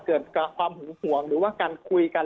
เกิดกับความหึงห่วงหรือว่าการคุยกัน